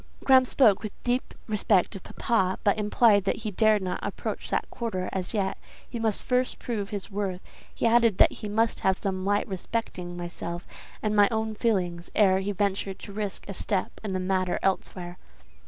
"Graham spoke with deep respect of papa, but implied that he dared not approach that quarter as yet; he must first prove his worth: he added that he must have some light respecting myself and my own feelings ere he ventured to risk a step in the matter elsewhere."